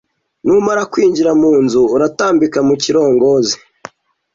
Numara kwinjira mu nzu uratambika mu kirongozi,